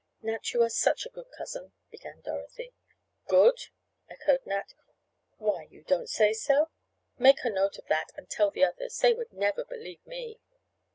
"Nat, you are such a good cousin," began Dorothy. "Good?" echoed Nat. "Why, you don't say so? Make a note of that and tell the others—they would never believe me.